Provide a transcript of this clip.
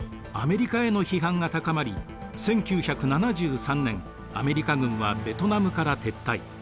アメリカへの批判が高まり１９７３年アメリカ軍はベトナムから撤退。